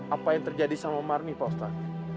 apa yang terjadi sama marni pak ustaz